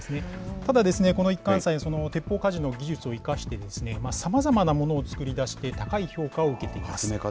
ただ、この一貫斎、鉄砲鍛冶の技術を生かして、さまざまなものを作り出して、高い評価を受けています。